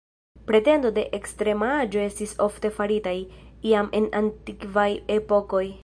Pretendo de ekstrema aĝo estis ofte faritaj, jam en antikvaj epokoj.